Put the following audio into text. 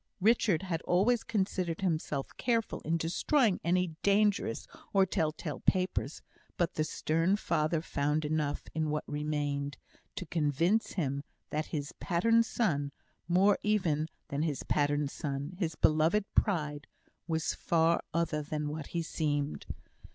Richard had always considered himself careful in destroying any dangerous or tell tale papers; but the stern father found enough, in what remained, to convince him that his pattern son more even than his pattern son, his beloved pride was far other than what he seemed.